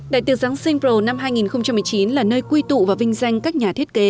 đại tiệc giáng sinh pro năm hai nghìn một mươi chín là nơi quy tụ và vinh danh các nhà thiết kế